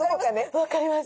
分かります。